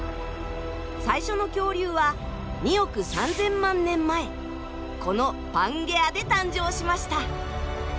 最初の恐竜は２億３，０００万年前このパンゲアで誕生しました。